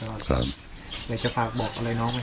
แต่ตอนนี้เขาไม่รู้ว่าจะเป็นคนใหญ่นะครับ